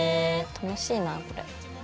楽しいなこれ。